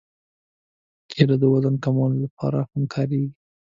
کېله د وزن کمولو لپاره هم کارېږي.